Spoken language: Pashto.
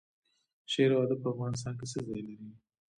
شعر او ادب په افغانستان کې څه ځای لري؟